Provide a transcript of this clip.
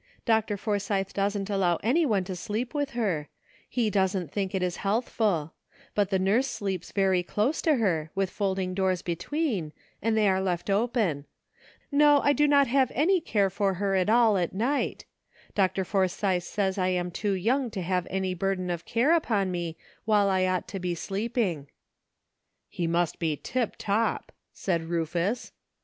Dr. Forsythe doesn't allow any one to sleep with her ; he doesn't think it is healthful ; but the nurse sleeps very close to her, with folding doors between, and they are left open. No, I do not have any care of her at all at night; Dr. Forsythe says I am too young to have any burden of care upon me while I ought to be sleeping." '' He must be tip top," said Rufus.